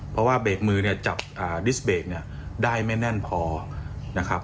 เพราะว่าเบรกมือเนี้ยจับอ่าได้ไม่แน่นพอนะครับ